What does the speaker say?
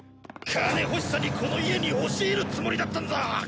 金欲しさにこの家に押し入るつもりだったんだ！